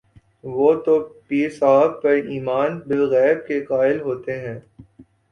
وہ تو پیر صاحب پر ایمان بالغیب کے قائل ہوتے ہیں۔